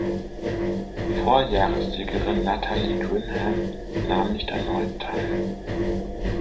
Vorjahressiegerin Natalie Grinham nahm nicht erneut teil.